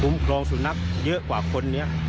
ภูมิโครงสุนัขเยอะกว่าคนนี้